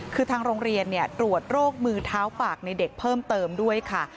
คือทางโรงเรียนตรวจโรคมือเท้าปากในเด็กเพิ่มเติมด้วยค่ะ